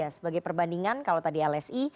sebagai perbandingan kalau tadi lsi